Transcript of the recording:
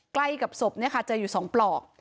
ใกล้กับศพเจออยู่๒ปลอก